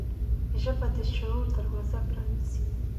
ژبه د شعور دروازه پرانیزي